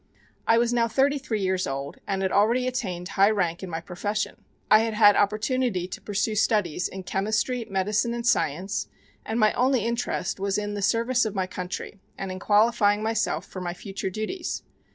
"I was now thirty three years old and had already attained high rank in my profession. I had had opportunity to pursue studies in chemistry, medicine and science, and my only interest was in the service of my country and in qualifying myself for my future duties.